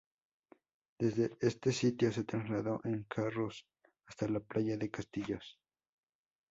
Desde este sitio se trasladó en carros hasta la playa de Castillos.